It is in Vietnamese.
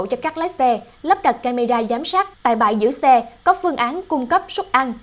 cho các lái xe lắp đặt camera giám sát tài bại giữ xe có phương án cung cấp sốt ăn